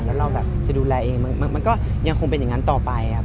แล้วเราแบบจะดูแลเองมันก็ยังคงเป็นอย่างนั้นต่อไปครับ